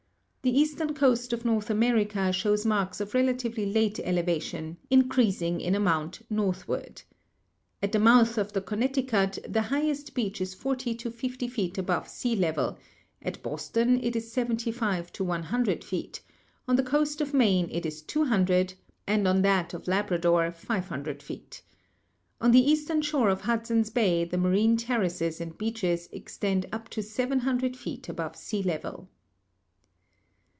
The eastern coast of North America shows marks of relatively late elevation, increasing in amount northward. At the mouth of the Connecticut, the highest beach is 40 to 50 feet above sea level, at Boston it is 75 to 100 feet, on the coast of Maine it is 200, and on that of Labrador 500 feet. On the eastern shore of Hudson's Bay the marine terraces and beaches extend up to 700 feet above sea level.